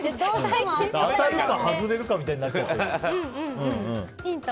当たるか外れるかみたいになってる。